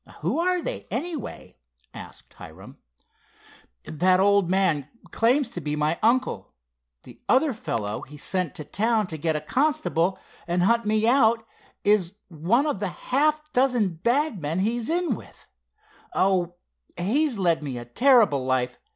"Who are they, anyway?" asked Hiram. "That old man claims to be my uncle. The other fellow he sent to town to get a constable, and hunt me out, is one of the half a dozen bad men he's in with. Oh, he's led me a terrible life!